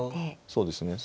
そうですね。